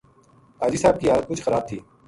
حاجی صاحب کی حالت مُچ خراب تھی